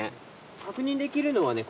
確認できるのはね